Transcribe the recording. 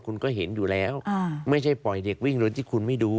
คุณก็เห็นอยู่แล้วไม่ใช่ปล่อยเด็กวิ่งโดยที่คุณไม่ดู